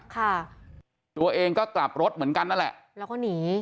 ค่ะตัวเองก็กลับรถเหมือนกันนั่นแหละแล้วก็หนี